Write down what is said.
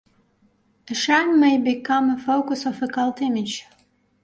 A shrine may become a focus of a cult image.